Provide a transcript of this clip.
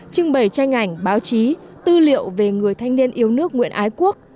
trưng bày tranh ảnh báo chí tư liệu về người thanh niên yêu nước nguyễn ái quốc